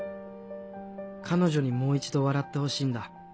彼女にもう一度笑ってほしいんだ。